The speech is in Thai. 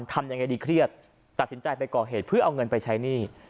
ทำยังไงดีเครียดตัดสินใจไปก่อเหตุเพื่อเอาเงินไปใช้หนี้